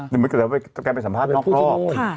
เหมือนกับว่าแกไปสัมภาษณ์นอกรอบ